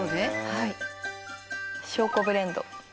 「はい」翔子ブレンド。